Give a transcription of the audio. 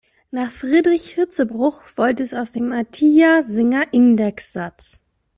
Nach Friedrich Hirzebruch folgt es aus dem Atiyah-Singer-Indexsatz.